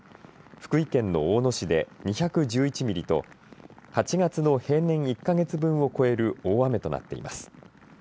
福井県の大野市で２１１ミリと８月の平年１か月分を超える大雨となっています。